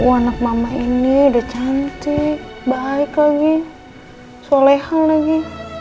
anak mama ini udah cantik baik lagi solehang lagi